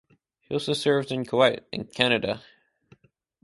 He also served in Kuwait and Canada.